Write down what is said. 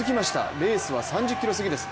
レースは３０ｋｍ過ぎです。